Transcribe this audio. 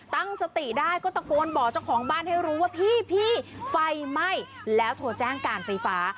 ตั้งสติได้ก็ตะโกนบอกเจ้าของบ้านให้รู้ว่าพี่ไฟไหม้แล้วโทรแจ้งการไฟฟ้า